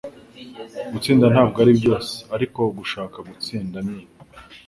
Gutsinda ntabwo ari byose, ariko gushaka gutsinda ni.”